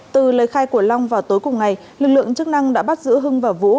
từ lời khai của long vào tối cùng ngày lực lượng chức năng đã bắt giữ hưng và vũ